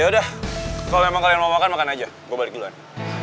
ya udah kalau memang kalian mau makan makan aja gue balik duluan